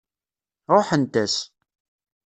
Ṛuḥent-as.